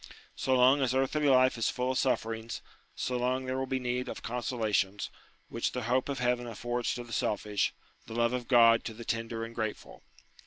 So long as earthly life is full of sufferings, so long there will be need of consolations, which the hope of heaven affords to the selfish, the love of God to the tender and grateful.